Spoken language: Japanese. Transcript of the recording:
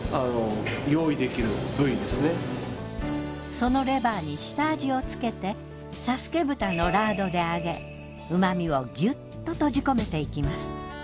そのレバーに下味をつけて佐助豚のラードで揚げ旨みをギュッと閉じ込めていきます。